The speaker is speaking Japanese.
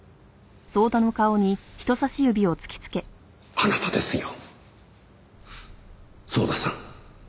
あなたですよ早田さん。